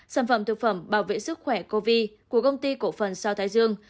sản phẩm thực phẩm bảo vệ sức khỏe covid của công ty cổ phần sao thái dương